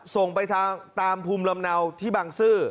ส่งไปทางตามภูมิลำเนาที่บางซื่อ